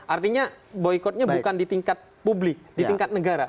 artinya boykotnya bukan di tingkat publik di tingkat negara